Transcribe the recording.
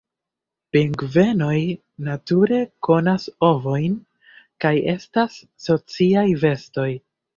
Pingvenoj nature kovas ovojn kaj estas sociaj bestoj.